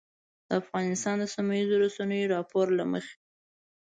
د افغانستان د سیمهییزو رسنیو د راپور له مخې